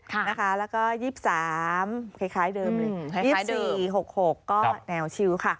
ใช่อยู่ไหนก็ได้ใช่ไหมคะ